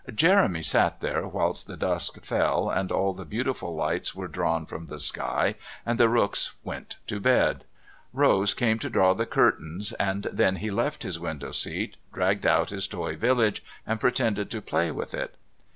Jeremy sat there whilst the dusk fell and all the beautiful lights were drawn from the sky and the rooks went to bed. Rose came to draw the curtains, and then he left his window seat, dragged out his toy village and pretended to play with it.